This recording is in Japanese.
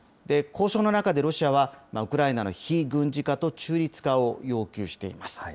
交渉の中でロシアは、ウクライナの非軍事化と中立化を要求しています。